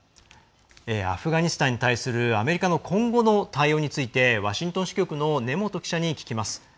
アフガニスタンに対するアメリカの今後の対応についてワシントン支局の根本記者に聞きます。